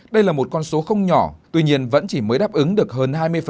đây là một con số không nhỏ tuy nhiên vẫn chỉ mới đáp ứng được hơn hai mươi